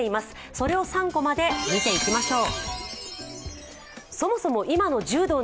それを３コマで見ていきましょう。